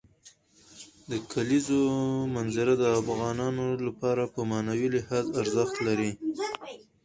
د کلیزو منظره د افغانانو لپاره په معنوي لحاظ ارزښت لري.